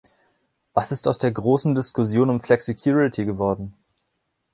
Was ist aus der großen Diskussion um Flexicurity geworden?